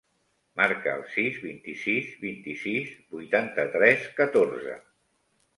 Marca el sis, vint-i-sis, vint-i-sis, vuitanta-tres, catorze.